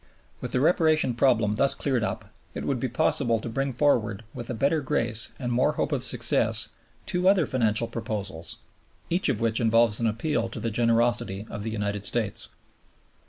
With the Reparation problem thus cleared up it would be possible to bring forward with a better grace and more hope of success two other financial proposals, each of which involves an appeal to the generosity of the United States.